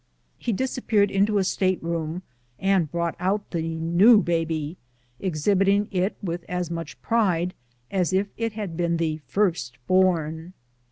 He disap peared into a state room and brought out the new baby, exhibiting it with as much pride as if it had been the first born!